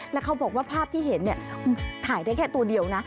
แล้วเขาบอกว่าภาพที่เห็นถ่ายได้แค่ตัวเดียวนะ